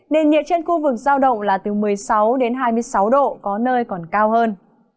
nền nhiệt trên khu vực giao động là từ một mươi sáu đến hai mươi sáu độ có nơi còn cao hơn